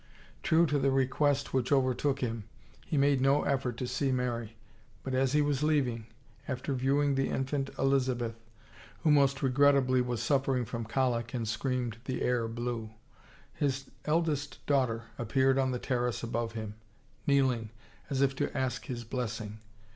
True to the request which overtook him, he made no effort to see Mary, but as he was leaving, after view ing the infant Elizabeth — who most regrettably was suf fering from colic and screamed the air blue — his eldest daughter appeared on the terrace above him, kneeling, as if to ask his blessing.